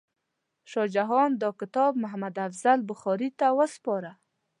شاه جهان دا کتاب محمد افضل بخاري ته وسپاره.